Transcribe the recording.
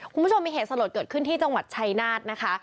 คุณผู้ชมมีเหตุสลดเกิดขึ้นที่จังหวัดชัยนาธนะคะ